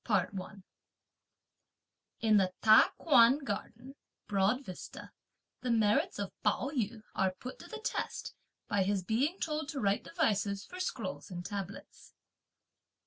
CHAPTER XVII. In the Ta Kuan Garden, (Broad Vista,) the merits of Pao yü are put to the test, by his being told to write devices for scrolls and tablets.